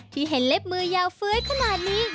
ที่เห็นเล็บมือยาวเฟ้ยขนาดนี้